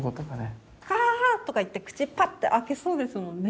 カアーとか言って口パッて開けそうですもんね。